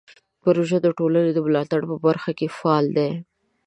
پروژه د ټولنې د ملاتړ په برخه کې فعال دی.